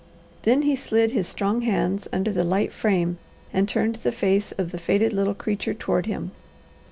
Then he slid his strong hands under the light frame and turned the face of the faded little creature toward him.